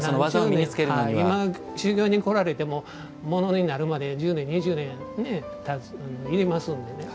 今、修業に来られてもものになるまで１０年２０年要りますんでね。